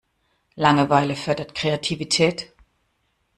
Langeweile fördert Kreativität.